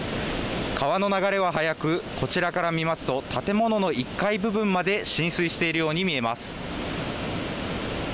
川の流れは速くこちらから見ますと建物の１階部分まで浸水しているように見えます。